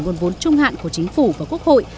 nguồn vốn trung hạn của chính phủ và quốc hội